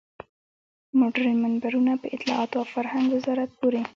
مډرن منبرونه په اطلاعاتو او فرهنګ وزارت پورې.